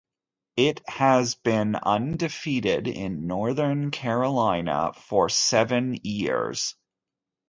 It has been undefeated in Northern California for seven years.